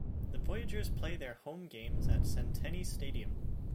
The Voyagers play their home games at Centene Stadium.